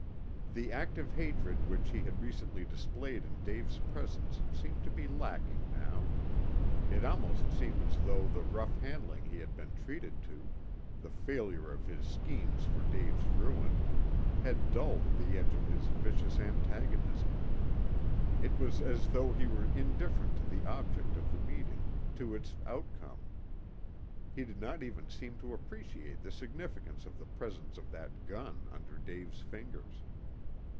The active hatred which he had recently displayed in Dave's presence seemed to be lacking now. It almost seemed as though the rough handling he had been treated to, the failure of his schemes for Dave's ruin, had dulled the edge of his vicious antagonism. It was as though he were indifferent to the object of the meeting, to its outcome. He did not even seem to appreciate the significance of the presence of that gun under Dave's fingers.